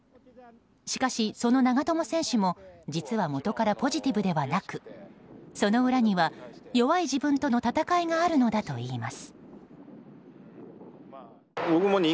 しかし、その長友選手も実は元からポジティブではなくその裏には弱い自分との闘いがあるのだといいます。